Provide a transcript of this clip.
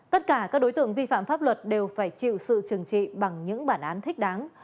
tất cả các đối tượng vi phạm pháp luật đều phải chịu sự trừng trị bằng những bản án thích đáng